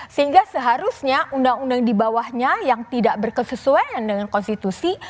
sehingga seharusnya undang undang di bawahnya yang tidak berkesesuaian dengan konstitusi